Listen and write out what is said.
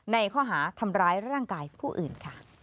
ในข้อหาทำร้ายร่างกายผู้อื่นค่ะ